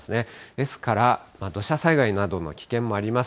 ですから、土砂災害などの危険もあります。